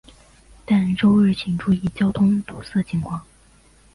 但周日请注意交通堵塞情况。